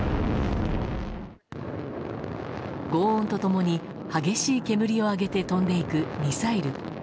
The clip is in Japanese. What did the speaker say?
轟音と共に激しい煙を上げて飛んでいくミサイル。